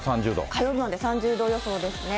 火曜まで３０度予想ですね。